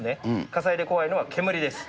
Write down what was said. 火災で怖いのは煙です。